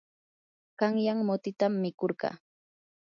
qanyan mutitam mikurqaa.